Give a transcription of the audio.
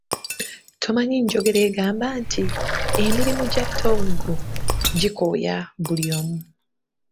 Tomanyi njogera egamba nti, "Emirimu gya ttoggo gikooya buli omu"